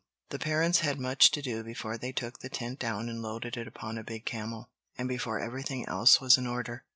The parents had much to do before they took the tent down and loaded it upon a big camel, and before everything else was in order.